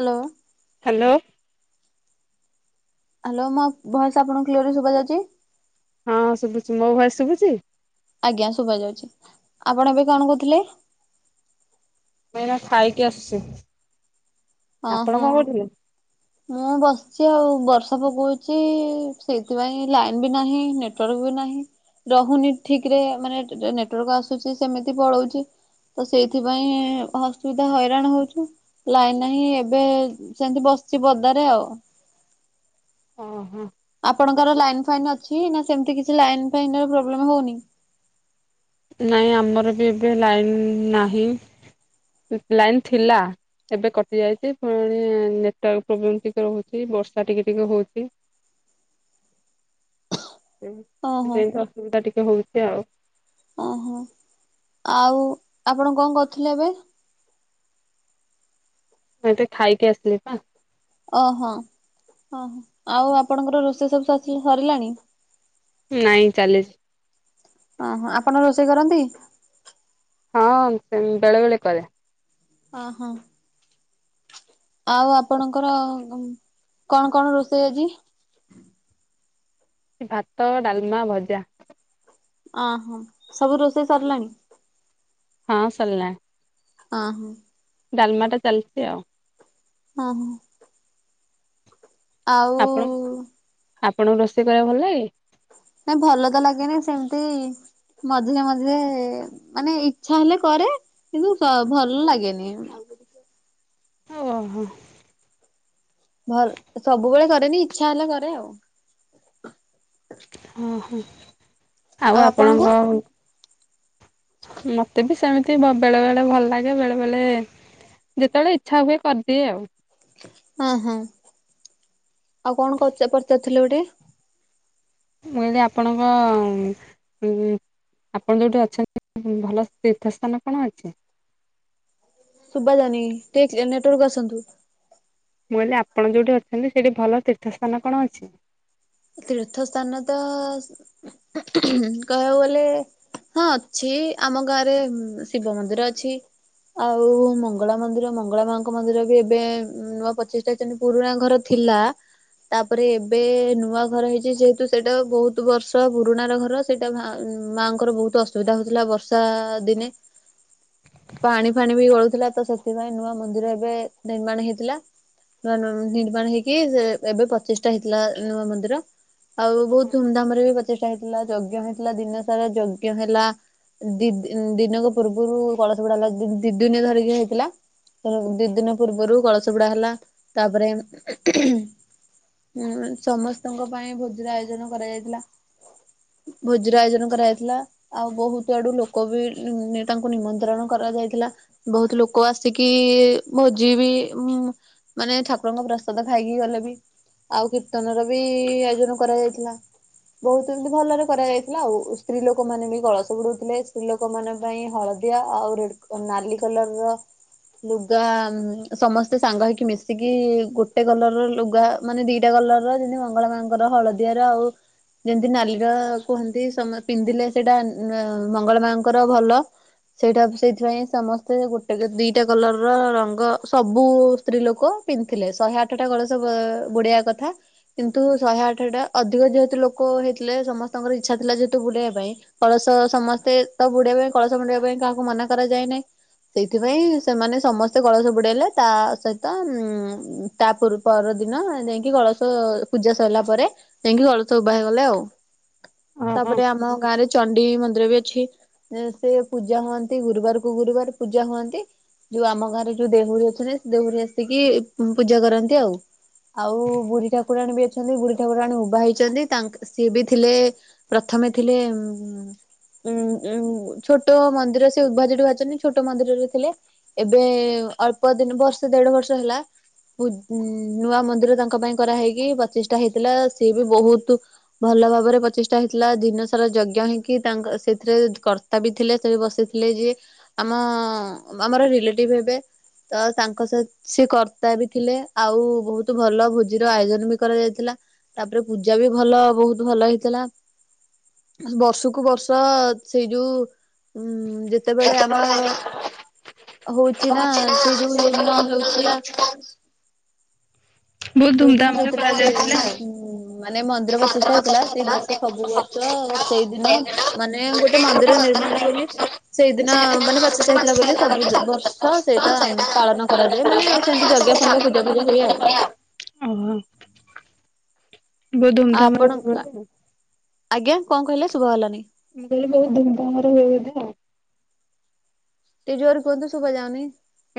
Hello. Hello. Hello ମୋ voice ଆପଣଙ୍କୁ clear ସୁଭା ଯାଉଛି? ଶୁଭୁଚି ମୋ ଭଇସ ଶୁଭୁଚି? ଆଜ୍ଞା ଶୁଭା ଯାଉଚି ଆପଣ ଏବେ କଣ କହୁଥିଲେ? ଭାଇନା ଖାଇକି ଆସୁଚି ହଁ ଆପଣ କଣ ହଁ। କହୁଥିଲେ? ମୁଁ ବସିଚି ଆଉ ବର୍ଷା ପକଉଚି ସେଇଥିପାଇଁ ଲାଇନ ବି ନାହିଁ ନେଟୱାର୍କ ହୁ ନାହଁ ରହୁନି ଠିକରେ ମାନେ ନେଟୱର୍କ ଆସୁଚି ସେମିତି ପଳଉଚି। ତ ସେଇଥିପାଇଁ ଅସୁବିଧା ହଇରାଣ ହଉଚୁ, ଲାଇନ ନାହିଁ ଏବେ ସେମତି ବସି ବଦାରେ ଆଉ। ଓ ହୋ। ଆପଣଙ୍କର ଲାଇନ ଫାଇନ୍ ଅଛି ନା ସେମିତି କିଛି ଲାଇନ ଫାଇନ ପ୍ରୋବ୍ଲେମ ହଉନି। ନାଇଁ ଆମର ବି ଏବେ ଲାଇନ ନାହିଁ ଲାଇନ ଥିଲା। ଏବେ କଟି ଯାଇଚି ପୁଣି ନେଟୱାର୍କ ପ୍ରୋବ୍ଲେମ ଟିକେ ରହୁଚି ବର୍ଷା ଟିକେ ଟିକେ ହଉଚି। [inaudible] ହଁ ଓହୋ ସେମିତି ଅସୁବିଧା ଟିକେ ହଉଚି ଆଉ। ଓହୋ ଆଉ ଆପଣ କଣ କରୁଥିଲେ ଏବେ? ମାଇତ ଖାଇକି ଆସି ଥିଲି ବା। ଓହୋ ଓହ ଆଉ ଆପଣଙ୍କର ରୋଷେଇ ସବୁ ସରିଲାଣି? ନାଇଁ ଚାଲିଚି। ଓହୋ ଆପଣ ରୋଷେଇ କରନ୍ତି? ହଁ ସେ ବେଳେବେଳେ କରେ। ଓ ହୋ। ଆଉ ଆପଣଙ୍କର କଣ କଣ ରୋଷେଇ ଆଜି? [inaudible] ଭାତ ଡାଲମା ଭଜା। ଅହୋ ସବୁ ରୋଷେଇ ସରିଲାଣି? ହଁ ସରିଲା। ଅ ହୋ। ଡାଲମାଟା ଚାଲଚି ଆଉ। ହଁ ହ। ଆଉ? ଆପଣ ଆପଣଙ୍କୁ ରୋଷେଇ କରିବାକୁ ଭଲ ଲାଗେ? ନାଇ ଭଲ ତ ଲାଗେନି ସେମିତି ମଝିରେ ମଝିରେ ମାନେ ଇଚ୍ଛା ହେଲେ କରେ କିନ୍ତୁ ସ ଭଲ ଲାଗେନି। [inaudible] ଅ ହ। ଭଲ୍ ସବୁବେଳେ କରେନି ଇଚ୍ଛା ହେଲେ କରେ ଆଉ। ଅହ ଆଉ ଆପଣଙ୍କ, ମତେ ବି ସେମିତି ବେଳେ ବେଳେ ଭଲ ଲାଗେ ବେଳେ ବେଳେ ଯେତେବେଳେ ଇଚ୍ଛା ହୁଏ କରିଦିଏ ଆଉ। ହଁ ହଁ ଆଉ କଣ କରୁଚ ପଚାରୁଥିଲ ଗୋଟେ? ମୁଁ କଇଲି ଆପଣଙ୍କ ଆପଣ ଯୋଉଠି ଅଛନ୍ତି ଭଲ ତୀର୍ଥ ସ୍ଥାନ କଣ ଅଛି? ଶୁବା ଯାଉନି ଟିକେ କ୍ଲିୟର ନେଟୱାର୍କକୁ ଆସନ୍ତୁ। ମୁଁ କଇଲି ଆପଣ ଯୋଉଠି ଅଛନ୍ତି, ସେଇଠି ଭଲ ତୀର୍ଥସ୍ଥାନ କଣ ଅଛି? ତୀର୍ଥ ସ୍ଥାନ ତ କହିବାକୁ ଗଲେ ହଁ ଅଛି ଆମ ଗାଁ ରେ ଶିବ ମନ୍ଦିର ଅଛି। ଆଉ ମଙ୍ଗଳା ମନ୍ଦିର ମଙ୍ଗଳା ମାଙ୍କ ମନ୍ଦିର ବି ଏବେ ନୂଆ ପଚିଶଟା ହେଇଚନ୍ତି। ପୁରୁଣା ଘର ଥିଲ୍ ଲା, ତାପରେ ଏବେ ନୂଆ ଘର ହେଇଚି ଯେହେତୁ ସେଇଟା ବୋହୁତୁ ବର୍ଷ ପୁରୁଣା ର ଘର ସେଇଟା ଭା ମାଆଙ୍କର ବୋହୁତ୍ ଅସୁବିଧା ହୋଉଥିଲା ବର୍ଷା ଦିନେ ପାଣି ଫାଣି ବି ଗଳୁଥିଲା ତ ସେଥିପାଇଁ ନୂଆ ମନ୍ଦିର ଏବେ ନିର୍ମାଣ ହେଇଥିଲା। ନୂଆ ନୂଆ ନିର୍ମାଣ ହେଇକି ସେ ଏବେ ପଚିଶଟା ହେଇଥିଲା ନୂଆ ମନ୍ଦିର। ଆଉ ବୋହୁତ୍ ଧୁମଧାମ୍ ରେ ବି ପ୍ରତିଷ୍ଠା ହେଇଥିଲା ଯଜ୍ଞ ହେଇଥିଲା ଦିନ ସାରା ଯଜ୍ଞ ହେଲା। ଦି ଦି ଦିନକ ପୂର୍ବୁରୁ କଳସ ବୁଡ଼ା ହେଲା ଦି ଦିନି ଧରିକି ହେଇଥିଲା। ଦି ଦିନ ପୂର୍ବରୁ କଳସ ବୁଡ଼ା ହେଲା ତାପରେ ହୁଁ ସମସ୍ତଙ୍କ ପାଇଁ ଭୋଜିର ଆୟୋଜନ କରାଯାଇଥିଲା। ଭୋଜିର ଆୟୋଜନ କରାଯାଇଥିଲା ଆଉ ବୋହୁତ ଆଡ଼ୁ ଲୋକ ବି ତାଙ୍କୁ ନିମନ୍ତ୍ରଣ କରା ଯାଇଥିଲା ବୋହୁତ ଲୋକ ଆସିକି ଭୋଜି ବି ଉଁ ମାନେ ଠାକୁରଙ୍କ ପ୍ରସାଦ ଖାଇକି ଗଲେ ବି ଆଉ କୀର୍ତ୍ତନର ବି ଆୟୋଜନ କରାଯାଇଥିଲା। ବୋହୁତ ଏମତି ଭଲରେ କରାଯାଇଥିଲା ଆଉ। ସ୍ତ୍ରୀ ଲୋକ ମାନେ ବି କଳସ ବୁଡ଼ଉଥିଲେ ସ୍ତ୍ରୀ ଲୋକୋ ମାନଙ୍କ ପାଇଁ ହଳଦ୍ ଦିଆ ଆଉ ରେଡ୍ କ ନାଲି କଲର୍ ର ଲୁଗା ସମସ୍ତେ ସାଙ୍ଗ ହେଇକି ମିଶିକି ଗୋଟେ କଲର୍ ର ଲୁଗା ମାନେ ଦିଟା କଲର୍ ର ଯେନ୍ତି ମଙ୍ଗଳା ମାଙ୍କର ହଳଦିଆର ଆଉ ଯେମତି ନାଲିର କୁହନ୍ତି ସମ ପିନ୍ଧିଲେ ସେଇଟା ମଙ୍ଗଳା ମାଙ୍କର ଭଲ। ସେଇଟା ସେଇଥିପାଇଁ ସମସ୍ତେ ଗୋଟେ ଦିଟା କଲର୍ ର ରଙ୍ଗ ସବୁ ସ୍ତ୍ରୀ ଲୋକ ପିନ୍ଧିଥିଲେ। ଶହେ ଆଠଟା କଳସ ବୁଡ଼େଇଆ କଥା। କିନ୍ତୁ ଶହେ ଆଠଟା ଅଧିକ ଯେହେତୁ ଲୋକ ହେଇଥିଲେ ସମସ୍ତଙ୍କର ଇଚ୍ଛା ଥିଲା ଯେହେତୁ ବୁଡ଼େଇବା ପାଇଁ କଳସ ତ ସମସ୍ତେ ତ ବୁଡ଼େଇବେ କଳସ ବୁଡ଼େଇବା ପାଇଁ କାହାକୁ ମନା କରାଯାଏ ନାହିଁ। ସେଇଥିପାଇଁ ସେମାନେ ସମସ୍ତେ କଳସ ବୁଡ଼େଇଲେ ତା ସହିତ ଉଁ ତା ପୂର୍ ପର ଦିନ ଯାଇଁକି କଳସ ପୂଜା ସଇଲା ପରେ ଯାଇଁକି କଳସ ଉଭା ହେଇଗଲେ ଆଉ। ଓହୋ। ତାପରେ ଆମ ଗାଁରେ ଚନ୍ ଣ୍ଡି ମନ୍ଦିର ବି ଅଛି, ସେ ପୂଜା ହନ୍ତି ଗୁରୁବାର କୁ ଗୁରୁବାର ପୂଜା ହୁଅନ୍ତି। ଯୋଉ ଆମ ଘରେ ଯୋଉ ଦେହୁରୀ ଅଛନ୍ତି ସେ ଦେହୁରୀ ଆସିକି ପୂଜା କରନ୍ତି ଆଉ। ଆଉ ବୁଢ଼ୀଟା ଠାକୁରାଣୀ ବି ଅଛନ୍ତି ବୁଢ଼ୀ ଠାକୁରାଣୀ ଉଭା ହେଇଚନ୍ତି ତାଙ୍କ ସିଏ ବି ଥିଲେ ପ୍ରଥମେ ଥିଲେ ଉଁ ଉଁ ଉଁ ଛୋଟ ମନ୍ଦିର ସେ ଉଭା ଯୋଉଠି ଭାରିଚନ୍ତି ଛୋଟ ମନ୍ଦିରରେ ଥିଲେ ଏବେ ଅଳ୍ପ ଦିନ୍ ବର୍ଷେ ଦେଢ଼ ବର୍ଷ ହେଲା ପୂ ଉଁ ନୂଆ ମନ୍ଦିର ତାଙ୍କ ପାଇଁ କରାହେଇ କି ପଚିଶଟା ହେଇଥିଲା। ସିଏ ବି ବୋହୁତ ଭଲ ଭାବରେ ପଚିଶଟା ହେଇଥିଲା ଦିନ ସାରା ଯଜ୍ଞ ହେଇକି। ତାଙ୍କ ସେଥିରେ କର୍ତ୍ତା ବି ଥିଲେ ସେ ବି ବସିଥିଲେ ଯିଏ ଆମ ଆମର ରିଲେଟିବ୍ ହେବେ ତ ତାଙ୍କ ସହିତ ସେ କର୍ତ୍ତା ବି ଥିଲେ ଆଉ ବୋହୁତ ଭଲ ଭୋଜିର ଆୟୋଜନ୍ ନେବି କରାଯାଇଥିଲା ତାପରେ ପୂଜା ବି ଭଲ ବୋହୁତ ଭଲ ହେଇଥିଲା। ବର୍ଷକୁ ବର୍ଷ ସେଇ ଯୋଉ ଉଁ ଯେତେବେଳେ ଆମ ହଉଚି ନା ସେଇ ଯୋଉ ଦିନ ହଉଥିଲା ବହୁତ ଯୋଉଦିନ ଧୁମଧାମ ରେ ହଉଥିଲା ସେଇ କରାଯାଇଥିଲା ଆଉ। ଓହୋ ଉ ମାନେ ମନ୍ଦିର ପଚିଷ୍ଟା ହେଇଥିଲା ।ସେଇ ବର୍ଷ ସବୁ ବର୍ଷ ସେଇଦିନ ମାନେ ଗୋଟେ ମନ୍ଦିର ନି ର୍ମାଣ ବୋଲି, ସେଇଦିନ ମାନେ ପଚିଷ୍ଟା ହେଇଥିଲା ବୋଲି ସବୁ ବର୍ଷ ସେଇଟା ପାଳନ କରାଯାଏ। ଏ ମାନେ ସେମିତି ଯଜ୍ଞ ଫଜ୍ଞ ପୂଜା ପୂଜି ହୁଏ ଆଉ। ଓହୋ। ବହୁତ ଆଉ ଆପଣ ଧୁମଧାମରେ ହୁଏ। ଆଜ୍ଞା କଣ କହିଲେ ଶୁଭା ଗଲାନି। ମୁଁ କହିଲି ବହୁତ ଧୁମ ଧାମରେ ହୁଏ ବୋଧେ ଆଉ ଟିକେ ଜୋର କୁହନ୍ତୁ ଶୁବାଯାଉନି।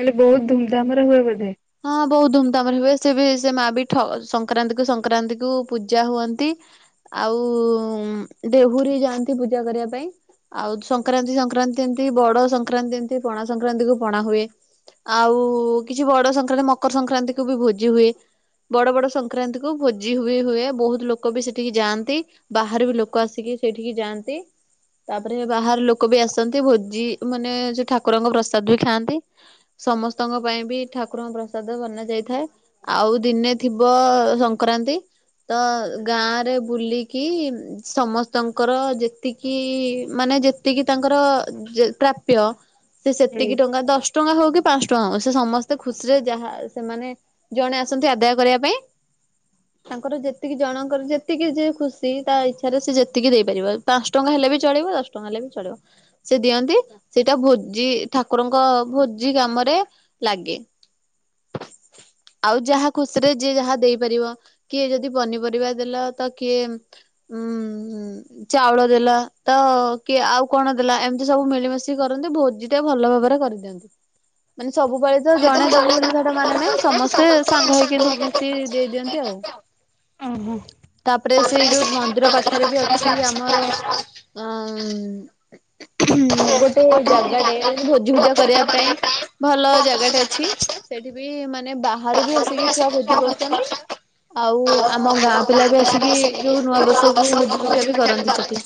ମୁଁ କହିଲି ବହୁତ ଧୁମଧାମରେ ହୁଏ ବୋଧେ। ହଁ ବହୁତ ଧୁମଧାମରେ ହୁଏ ।ସେ ବି ସେ ମା ବି ଠ ସଂକ୍ରାନ୍ତି କୁ ସଂକ୍ରାନ୍ତି କୁ ପୂଜା ହୁଅନ୍ତି। ଆଉ ଦେହୁରି ଯାଆନ୍ତି ପୂଜା କରିବା ପାଇଁ। ଆଉ ସଂକ୍ରାନ୍ତି ସଂକ୍ରାନ୍ତି ଏମତି ବଡ ସଂକ୍ରାନ୍ତି ଏମିତି ପଣା ସଂକ୍ରାନ୍ତି କୁ ପଣା ହୁଏ। ଆଉ କୁ, କିଛି ବଡ ସଂକ୍ରାନ୍ତି ମକର ସଂକ୍ରାନ୍ତି କୁ ବି ଭୋଜି ହୁଏ। ବଡ ବଡ ସଂକ୍ରାନ୍ତି କୁ ଭୋଜି ହୁଏ ହୁଏ ।ବହୁତ ଲୋକ ବି ସେଠିକି ଯାଆନ୍ତି, ବାହାର ବି ଲୋ ଲୋକ ଆସିକି ସେଇଠିକି ଯାଆନ୍ତି। ତାପରେ ବାହାର ଲୋକ ବି ଆସନ୍ତି ।ଭୋଜି ମାନେ ସେ ଠାକୁରଙ୍କ ପ୍ରସାଦ ବି ଖାଆନ୍ତି। ସମ ସ୍ତଙ୍କ ପାଇଁ ବି ଠା କୁରଙ୍କ ପ୍ରସାଦ ବନା ଯାଇଥାଏ ।ଆଉ ଦିନେ ଥିବ ସଂକ୍ରାନ୍ତି ତ ଗାଁରେ ବୁଲିକି ସମସ୍ତଙ୍କର ଯେତିକି ମାନେ ନେ ଯେତିକି ତାଙ୍କର ଅ ଯ ପ୍ରାପ୍ୟ। ସେ ସେତିକି ହୁଁ। ଟଙ୍କା ଦଶ ଟଙ୍କା ହଉ କି ପାଞ୍ଚ ଟଙ୍କା ହଉ, ସେ ସମ ସ୍ତେ ଖୁସିରେ ଯାହା ସେମାନେ ଜଣେ ଆସନ୍ତି ଆଦାୟ କରିବା ପାଇଁ। ତାଙ୍କର ଯେତିକି ଜଣଙ୍କର ଯେତିକି ଯିଏ ଖୁସି ।ତା ଇଚ୍ଛାରେ ସେ ଯେତିକି ଦେଇପାରିବ ପାଞ୍ଚ ଟଙ୍କା ହେ ଲେ ବି ଚଳିବ ଦଶ ଟଙ୍କା ହେଲେ ବି ଚଳିବ। ସେ ଦିଅନ୍ତି, ସେଇଟା ଭୋଜି ଠାକୁରଙ୍କ ଭୋଜି କାମରେ ଲାଗେ। [inaudible] ଆଉ ଯାହା ଖୁସିରେ ଯିଏ ଯାହା ଦେଇପାରିବ। କିଏ ଯଦି ପନିପରିବା ଦେଲ ତ କିଏ ହୁଁ ଚାଉଳ ଦେଲା ତ କିଏ ଆଉ କଣ ଦେଲା, ଏମିତି ସବୁ ମିଳିମିଶି କରନ୍ତି। ଭୋଜି ଟା ଭଲ ଭାବରେ କରିଦିଅନ୍ତି। ମାନେ ସ ଟା ଜଣେ ଦବ ବୋଲି ସେଇଟା ମାନେ ନାହିଁ ।ସମସ୍ତେ ସାଙ୍ଗ ହେଇକି ମିଶି ଦେଇଦିଅନ୍ତି ଆଉ। ଓହୋ। ପରେ ସେଇ ଯୋଉ ମନ୍ଦିର ପାଖରେ ବି ଅଛି ଆମର ଅ ଗୋଟେ ଜାଗା ଟେ, ଯେମିତି ଭୋଜି ଭୂଜା କରିବା ପାଇଁ ଭଲ ଜାଗା ଟେ ଅଛି, ସେଠି ବି ମାନେ ବାହାରୁ ବି ଆସିକି ଛୁଆ ଭୋଜି କରୁଛନ୍ତି। ଆଉ ଆମ ଗାଁ ପିଲା ବି ଆସିକି ଯୋଉ ନୂଆ ବର୍ଷକୁ ଭୋଜି ଭୂଜା ବି କରନ୍ତି ସେଠି।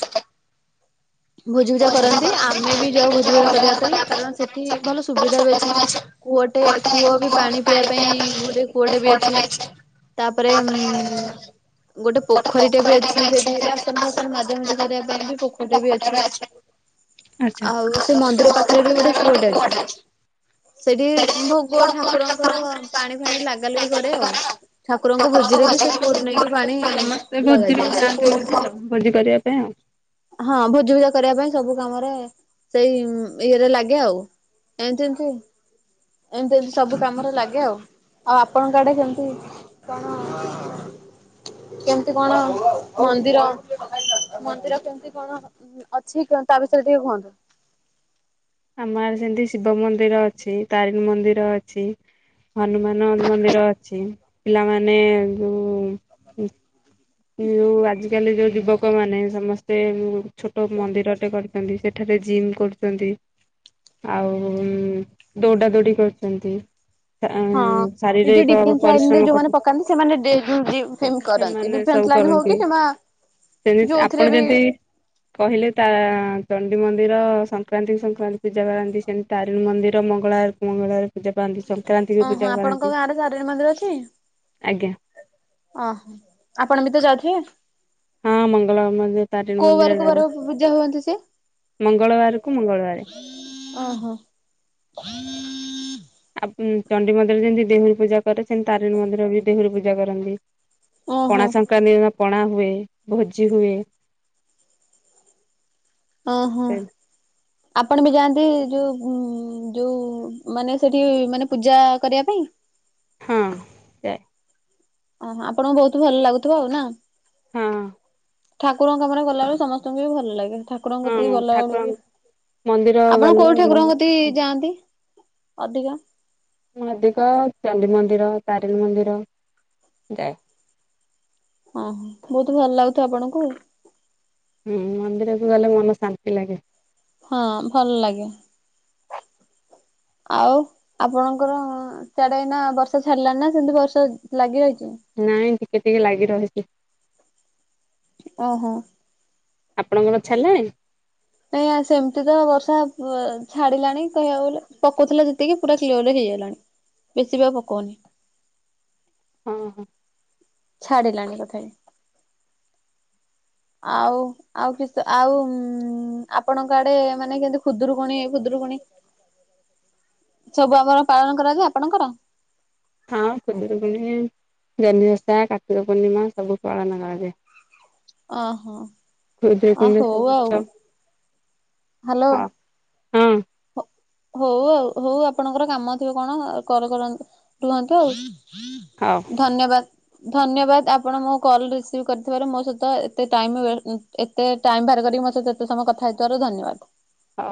ଭୋଜିଭୂଜା କରନ୍ତି, ଆମେ ବି ଯାଉ ଭୋଜିଭୂଜା କରିବା ପାଇଁ। କାରଣ ସେ ଠି ଭଲ ସୁବିଧା ବି ଅଛି। କୂଅଟେ କୂଅ ବି ପାଣି ପିଇବା ପାଇଁ ଗୋଟେ କୂଅଟେ ପାଇଁ ବି ଗୋଟେ ଅଛି। ଯାଇଛି। ତାପରେ ଉ ତାପରେ ଗୋଟେ ପୋଖରୀଟେ ବି ପୋଖରୀ ଅ ଟାଇପ୍ ଅଛି, ର ସେଠି ବାସନ ଫାସନ ମାଜା ମୁଜି କରିବା ପାଇଁ ବି ପୋଖରିଟେ ଗଦା ଫଦା କରିବା ବି ପାଇଁ ଗୋଟେ ପୋଖରୀ ଅଛି। ଟାଇପ୍ ର ଆଉ ସେ ମନ୍ଦିର ପାଖରେ ବି ଗୋଟେ କୁଅଟେ ଅଛି। ସେଠି ଭୋଗ କୂଅ କୂଅ ଠାକୁରଙ୍କର କରା ପାଣି ଫାଣି ଲାଗା ଲାଗି କରେ ଆଉ ଆଉ। ଠାକୁରଙ୍କ ଭୋଜିରେ ବି ସେ କୁୁଅରୁ ନେଇକି ପାଣି ସମସ୍ତେ ଭୋଜି କୁ ଲଗାଯାଏ ସେ ଯାଆନ୍ତି, କୂଅ ଭୋଜି ଭୋଜି କରିବା ପାଇଁ ଆଉ ହଁ ଭୋଜି ଭୁଜା କରିବା ପାଇଁ ।ସବୁ କାମରେ ସେଇ ଇଏରେ ଲାଗେ ଆଉ ଏମତି ଏମତି। ଏମତି ଏମତି ସବୁ କାମରେ ଲାଗେ ଆଉ। ଆଉ ଆପଣଙ୍କ ଆଡେ କେମିତି? କଣ କେମିତି କଣ? ମନ୍ଦିର ମନ୍ଦିର କେମତି କଣ ଅଛି, ତା ବିଷୟରେ ଟିକେ କୁହନ୍ତୁ? ଆମ ଆଡ଼େ ସେମିତି ଶିବ ମନ୍ଦିର ଅଛି, ତାରିଣି ମନ୍ଦିର ଅଛି । ହନୁମାନ ମନ୍ଦିର ଅଛି, ପିଲାମାନେ ଯଉ ଯୋଉ ଆଜିକାଲି ଯୋଉ ଯୁବକ ମାନେ ସମସ୍ତେ ଛୋଟ ମନ୍ଦିରଟେ କରିଛନ୍ତି, ସେଠାରେ ଜିମ୍ କରୁଛନ୍ତି । ଆଉ ଦୌଡା ଦୌଡି କରୁଛନ୍ତି । ହଁ, ଏ ଯୋଉ ଡିଫେନ୍ସ ଲାଇନ ରେ ଯୋଉମାନେ କରୁ ପକାନ୍ତି, ସେମାନେ ଡେଲି ଜୀମଫିମ କରନ୍ତି, ସେମାନେ ସବୁ ଡିଫେନ୍ସ ତାନ କରନ୍ତି ହେ ସେମା [unintelligible] ସେମିତି, ଆପଣ ଯେମିତି କହିଲେ ତା- ଡି ମନ୍ଦିର ସଂକ୍ରାନ୍ତି ସଂକ୍ରାନ୍ତି ପୂଜା କରାନ୍ତି, ସେମିତି ତାରିଣି ମନ୍ଦିର ମଙ୍ଗଳବାର କ ମଙ୍ଗଳବାର ପୂଜା ପାଆନ୍ତି ସଂକ୍ରାନ୍ତି ବି ଓହୋ, ପୂଜା ଆପଣଙ୍କ ପାଆନ୍ତି ଗାଁରେ ତାରିଣୀ ମନ୍ଦିର ଅଛି? ଆଜ୍ଞା ଓହୋ ଆପଣ ବି ତ ଯାଉଥିବେ? ହଁ ମଙ୍ଗଳବାର ମ ତାଟିଣ କୋଉ ବାର ମନ୍ଦିର କୋଉ ଯାଉ। ବାର ପୂଜା ହୁଅନ୍ତି ସେ? ମଙ୍ଗଳବାରକୁ ମଙ୍ଗଳବାର ଓହୋ ଆଉ ଚଣ୍ଡି ମନ୍ଦିର ଯେମିତି ଦେହୁରୀ ପୂଜା କରେ, ସେମିତି ତାରିଣୀ ମନ୍ଦିର ବି ଦେହୁରୀ ପୂଜା କରନ୍ତି। ପଣା ଓହୋ ସଂକ୍ରାନ୍ତି ପଣା ହୁଏ, ଭୋଜି ହୁଏ। ଓ ହୋ ଆପଣ ବି ଯାଆନ୍ତି ଯୋଉ, ଯୋଉ, ମାନେ ସେଠି ମାନେ ପୂଜା କରିବା ପାଇଁ? ହଁ । ଓହ, ଆପଣଙ୍କୁ ବହୁତ ଭଲ ଲାଗୁଥିବ ଆଉ ନା ହଁ । ଠାକୁରଙ୍କ କାମରେ ଗଲାବେେଳେ ସମସ୍ତଙ୍କୁ ବି ଭଲ ଲାଗେ । ଠାକୁରଙ୍କ ହଁ କତିକି ଗଲା ବେଳକୁ, ଠାକୁରଙ୍କ ମନ୍ଦିର ଆପଣ ଗଲେ କୋଉ ଠାକୁରଙ୍କତି ଯାଆନ୍ତି? ଅଧିକା। ଅଧିକ ଚଣ୍ଡୀ ମନ୍ଦିର, ତାରିଣୀ ମନ୍ଦିର ଯା ହଁ ହ ବହୁତ ଭଲ ଲାଗୁଥିବ ଆପଣଙ୍କୁ? ହୁଁ ମନ୍ଦିରକୁ ଗଲେ ମନ ଶାନ୍ତି ଲାଗେ। ହଁ ଭଲ ଲାଗେ। ଆଉ ଆପଣଙ୍କର ସିଆଡେ ନା ବର୍ଷା ଛାଡିଲାଣି ନା ସେମିତି ବର୍ଷା ଲାଗି ରହିଛି? ନାଇଁ ଟିକେ ଟିକେ ଲାଗି ରହିଛି। ଓହୋ। ଆପଣଙ୍କର ଛାଲାଣି? ନ ସେମିତି ତ ବର୍ଷା ଛାଡିଲାଣି କହିବାକୁ ଗଲେ, ପକଉଥିଲା ଯେତିକି ପୁରା କ୍ଲିୟରରେ ହେଇ ଲାଣି ବେଶୀ ବି ପକଉନି। ହଁ ହଁ। ଛାଡ଼ିଲାଣି ତଥାବି। ଆଉ ଆଉ କିସ? ଆଉ ଆପଣଙ୍କ ଆଡେ ମାନେ କେମତି ଖୁଦୁରୁକୁୁଣି ଖୁଦରୁ କୁଣି, ସବୁ ଆମର ପାଳନ କରାଯାଏ, ଆପଣଙ୍କର? ହଁ ଖୁଦୁରୁକୁଣୀ ଜହ୍ନିଓଷା, କାର୍ତ୍ତିକ, ପୂର୍ଣ୍ଣିମା ସବୁ ପାଳନ କରାଯାଏ। ଅହୋ! ଅ ଖୁଦୁରୁକୁଣୀରେ ହୋଉ ସବୁ ଆଉ। ହଁ ହ୍ୟାଲୋ! ହଁ ହଉ ଆଉ, ହଉ ଆପଣଙ୍କର କାମ ଥିବ କଣ? କଲ୍ କରନ୍ତୁ! ରୁହନ୍ତୁ ଆଉ। ହଉ ଧନ୍ୟବାଦ। ଧନ୍ୟବାଦ, ଆପଣ ମୋ କଲ୍ ରିସିଭ କରିଥିବାରୁ ମୋ ସହିତ ଏତେ ଟାଇମ୍ ବେ ଏତେ ଟାଇମ୍ ବାହାର ବି ମୋ ସହିତ ଏତେ ସମୟ କଥା ହେଇଥିବାରୁ, ଧନ୍ୟବାଦ। ହ,